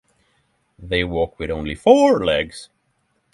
They walk with only four legs.